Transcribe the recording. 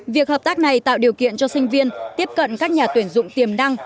việc hợp tác này tạo điều kiện cho sinh viên tiếp cận các nhà tuyển dụng tiềm năng